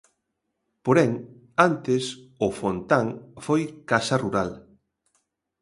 Porén, antes O Fontán foi casa rural.